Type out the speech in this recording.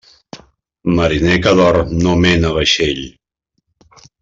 Mariner que dorm no mena vaixell.